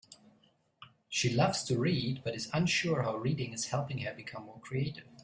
She loves to read, but is unsure how reading is helping her become more creative.